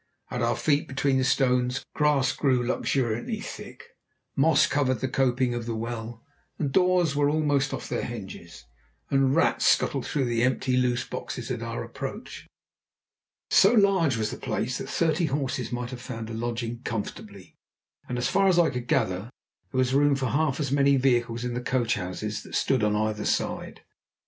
At our feet, between the stones, grass grew luxuriantly, thick moss covered the coping of the well, the doors were almost off their hinges, and rats scuttled through the empty loose boxes at our approach. So large was the place, that thirty horses might have found a lodging comfortably, and as far as I could gather, there was room for half as many vehicles in the coach houses that stood on either side.